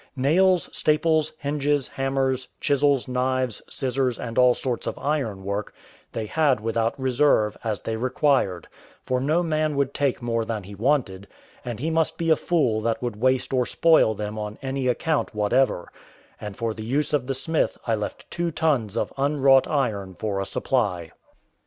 Nails, staples, hinges, hammers, chisels, knives, scissors, and all sorts of ironwork, they had without reserve, as they required; for no man would take more than he wanted, and he must be a fool that would waste or spoil them on any account whatever; and for the use of the smith I left two tons of unwrought iron for a supply.